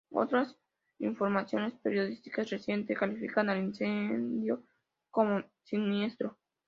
Otras informaciones periodísticas recientes califican al incendio como "siniestro".